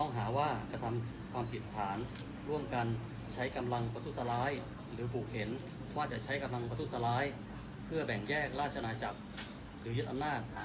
หาว่ากระทำความผิดฐานร่วมกันใช้กำลังประทุษร้ายหรือผูกเห็นว่าจะใช้กำลังประทุษร้ายเพื่อแบ่งแยกราชนาจักรหรือยึดอำนาจ